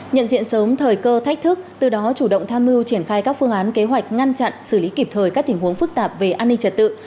nhận diện sớm thời cơ thách thức từ đó chủ động tham mưu triển khai các phương án kế hoạch ngăn chặn xử lý kịp thời các tình huống phức tạp về an ninh trật tự